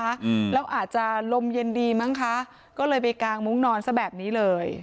อืมแล้วอาจจะลมเย็นดีมั้งคะก็เลยไปกางมุ้งนอนซะแบบนี้เลย